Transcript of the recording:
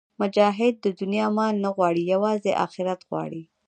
مجاهد د دنیا مال نه غواړي، یوازې آخرت غواړي.